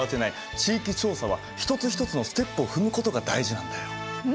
地域調査は一つ一つのステップを踏むことが大事なんだよ。